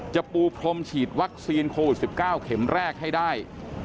ปูพรมฉีดวัคซีนโควิด๑๙เข็มแรกให้ได้